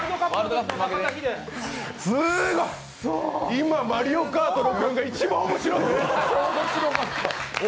今、マリカオートが一番面白い！